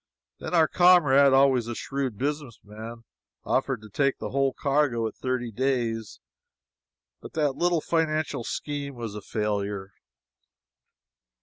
Then our comrade, always a shrewd businessman, offered to take the whole cargo at thirty days, but that little financial scheme was a failure.